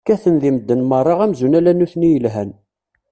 Kkaten deg medden meṛṛa amzun ala nutni i yelhan.